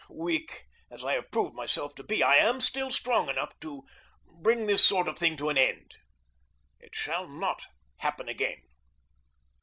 Weak as I have proved myself to be, I am still strong enough to bring this sort of thing to an end. It shall not happen again.